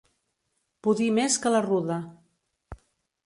Pudir més que la ruda.